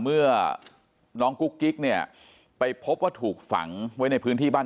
เมื่อน้องกุ๊กกิ๊กเนี่ยไปพบว่าถูกฝังไว้ในพื้นที่บ้าน